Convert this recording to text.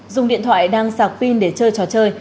dùng điện thoại đang sạc pin để chơi trò chơi